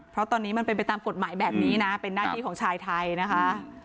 เพราะตอนนี้มันเป็นไปตามกฎหมายแบบนี้นะเป็นหน้าที่ของชายไทยนะคะ